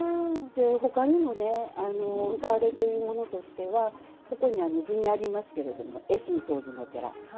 ほかにもね歌われているものとしてはここに図にありますけれども恵心僧都の寺。